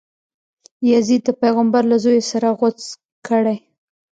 یزید د پیغمبر له زویه سر غوڅ کړی.